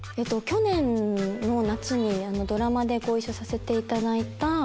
去年の夏にドラマでご一緒させていただいた。